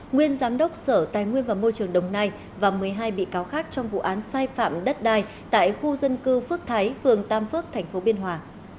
nguyên giám đốc sở tài nguyên và môi trường đồng nai và một mươi hai bị cáo khác trong vụ án sai phạm đất đai tại khu dân cư phước thái phường tam phước tp biên hòa